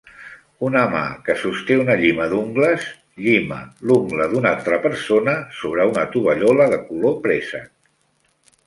Una mà que sosté una llima d'ungles llima l'ungla d'una altra persona sobre una tovallola de color préssec.